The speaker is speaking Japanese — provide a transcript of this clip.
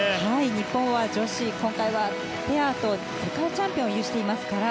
日本は女子それにペアの世界チャンピオンを有していますから。